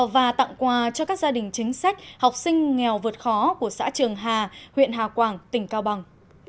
và tặng quà cho các gia đình chính sách học sinh nghèo vượt khó của xã trường hà huyện hà quảng tỉnh cao bằng